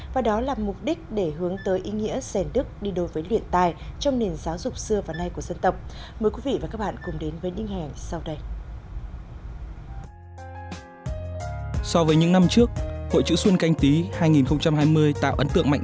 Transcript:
và đó là mục đích để hướng tới ý nghĩa sèn đức đi đối với luyện tài trong nền giáo dục xưa và nay của dân tộc